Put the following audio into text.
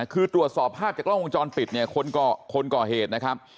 คือตรวจสอบภาพจากกล้องวงจรปิดเนี่ยคนก่อเหตุนะครับ